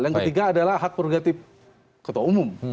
yang ketiga adalah hak prerogatif ketua umum